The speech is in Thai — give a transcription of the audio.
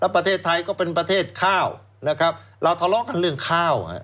ประเทศไทยก็เป็นประเทศข้าวนะครับเราทะเลาะกันเรื่องข้าว